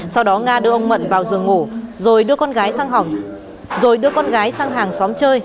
sau đó nga đưa ông mận vào giường ngủ rồi đưa con gái sang hàng xóm chơi